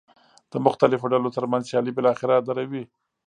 د مختلفو ډلو ترمنځ سیالۍ بالاخره دروي.